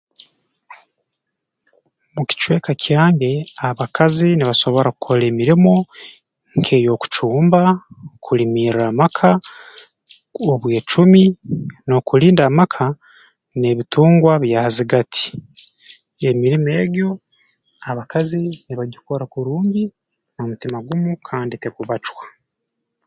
Mu kicweka kyange abakazi nibasobora kukora emirimo nk'ey'okucumba kulimirra amaka obwecumi n'okulinda amaka n'ebitungwa bya ha zigati niyo emirimo egyo abakazi nibagikora kurungi n'omutima gumu kandi tekubacwa